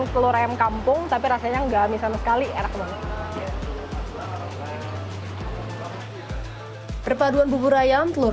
telur ayam kampung tapi rasanya enggak misal sekali er kembali perpaduan bubur ayam telur